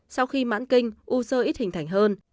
sau khi mãn kinh u sơ ít hình thành hơn